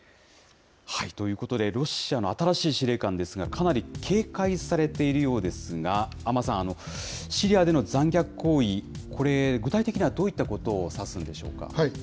ということで、ロシアの新しい司令官ですが、かなり警戒されているようですが、安間さん、シリアでの残虐行為、これ、具体的にはどういったことを指すんでしょうか。